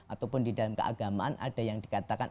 ataupun di dalam keagamaan ada yang dikatakan